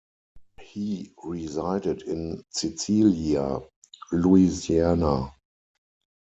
He resided in Cecilia, Louisiana.